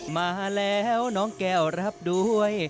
มาแล้วน้องแก้วรับด้วย